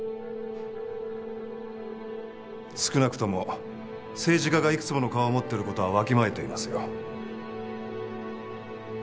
少なくとも政治家がいくつもの顔を持っている事はわきまえていますよ。